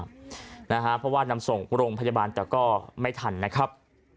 เพราะว่านำส่งโรงพยาบาลแต่ก็ไม่ทันนะครับ